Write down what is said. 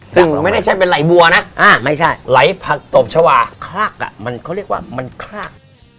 ซึ่งไม่ได้ใช่เป็นไหลวัลนะไหลผักตบชาวาคลากอะเขาเรียกว่ามันคลาก